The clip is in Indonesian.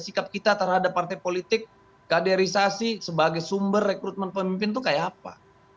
sikap kita terhadap partai politik kaderisasi sebagai sumber rekrutmen pemimpin itu kayak apa